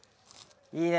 いいね。